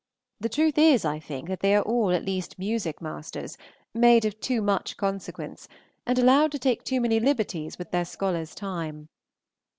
The truth is, I think, that they are all, at least music masters, made of too much consequence, and allowed to take too many liberties with their scholars' time.